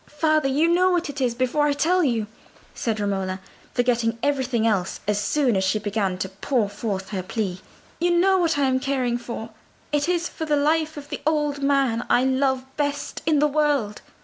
"Father, you know what it is before I tell you," said Romola, forgetting everything else as soon as she began to pour forth her plea. "You know what I am caring for—it is for the life of the old man I love best in the world.